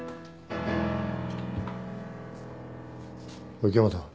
・おい池本。